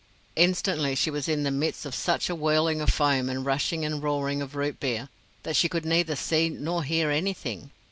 Instantly she was in the midst of such a whirling of foam and rushing and roaring of rootbeer that she could neither see nor hear anything.